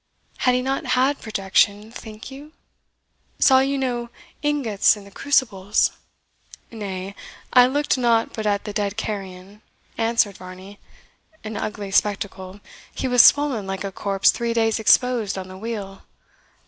Had he not had projection, think you? Saw you no ingots in the crucibles?" "Nay, I looked not but at the dead carrion," answered Varney; "an ugly spectacle he was swollen like a corpse three days exposed on the wheel.